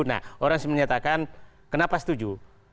nah orang menyatakan kenapa setuju